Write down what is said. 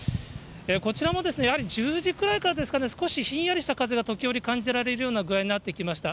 こちらもやはり１０時くらいからですかね、少しひんやりした風が時折感じられるような具合になってきました。